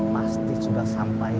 pasti sudah sampai